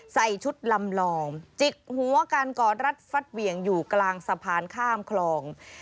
ใส่ชุดลำลองจิกหัวการกอดรัดฟัดเหวี่ยงอยู่กลางสะพานข้ามคลอง